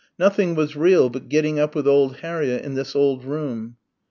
Nothing was real but getting up with old Harriett in this old room.